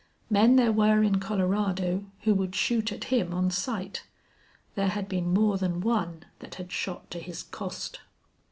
Men there were in Colorado who would shoot at him on sight. There had been more than one that had shot to his cost.